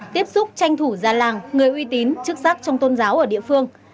tiếp xúc tranh thủ gia làng người uy tín chức sắc trong tôn giáo ở địa phương